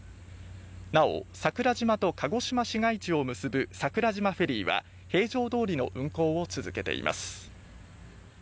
なお、桜島と鹿児島市街地を結ぶ桜島フェリーは平常どおりの運航を続けています。